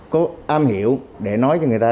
có am hiểu để nói cho người ta